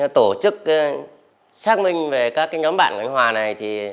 tổ chức xác minh về các nhóm bạn của anh hòa này